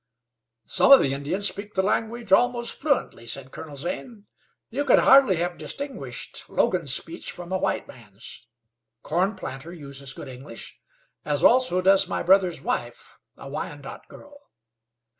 "Some of the Indians speak the language almost fluently," said Colonel Zane. "You could hardly have distinguished Logan's speech from a white man's. Corn planter uses good English, as also does my brother's wife, a Wyandot girl."